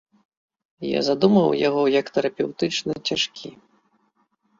Я задумваў яго як тэрапеўтычна цяжкі.